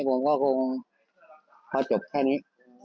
ผมก็คงเพราะจบแค่นี้